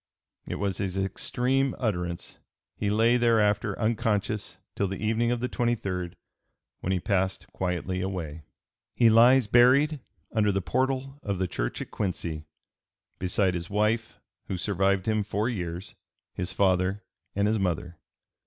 It was his extreme utterance. He lay thereafter unconscious till the evening of the 23d, when he passed quietly away. He lies buried "under the portal of the church at Quincy" beside his wife, who survived him four years, his father and his mother.